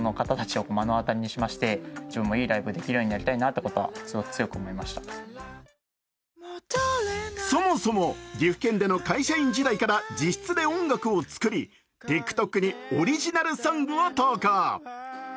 １年前、観客として見たロッキンの思い出はそもそも岐阜県での会社員時代から自室で音楽を作りＴｉｋＴｏｋにオリジナルサウンドを投稿。